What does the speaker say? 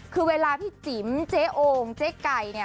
คือเวลาพี่จิ๋มแจ้โอ่งแจ้ไก่